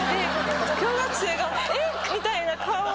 小学生が「えっ！」みたいな顔を。